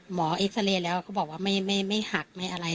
เอ็กซาเรย์แล้วก็บอกว่าไม่หักไม่อะไร